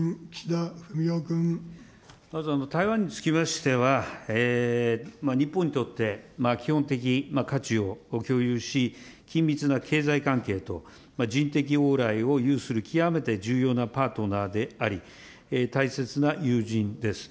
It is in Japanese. まず、台湾につきましては、日本にとって、基本的価値を共有し、緊密な経済関係と、人的往来を有する極めて重要なパートナーであり、大切な友人です。